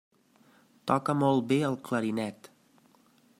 Toca molt bé el clarinet.